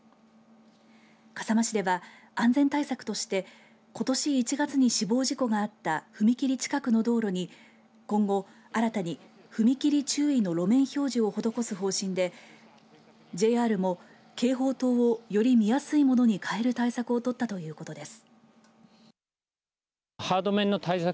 笠間市では安全対策としてことし１月に死亡事故があった踏切近くの道路に今後新たに踏切注意の路面標識を施す方針でＪＲも警報灯をより見やすいものに替える対策を取ったということです。